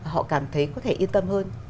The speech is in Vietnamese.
họ cảm thấy có thể yên tâm hơn